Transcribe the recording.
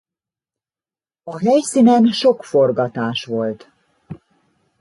A helyszínen sok forgatás volt.